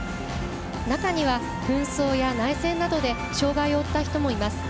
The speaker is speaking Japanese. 中には紛争や内戦などで障がいを負った人もいます。